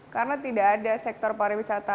karena tidak ada sektor pariwisata